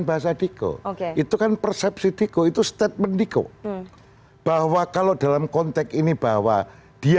bahasa diko itu kan persepsi diko itu statement diko bahwa kalau dalam konteks ini bahwa dia